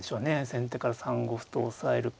先手から３五歩と抑えるか。